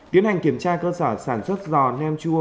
tiến hành kiểm tra cơ sở sản xuất giò nem chua